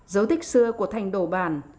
dấu tích xưa của thành đồ bàn